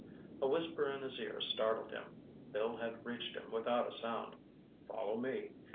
A whisper in his ear startled him. Bill had reached him without a sound. "Follow me.